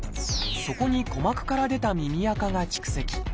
そこに鼓膜から出た耳あかが蓄積。